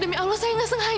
dami allah saya nggesengaja